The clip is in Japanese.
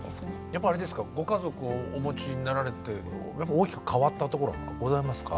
やっぱりあれですかご家族をお持ちになられて大きく変わったところはございますか？